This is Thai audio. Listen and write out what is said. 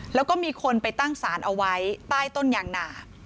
แล้วก็มีคนไปตั้งสารเอาไว้ใต้ต้นยางนา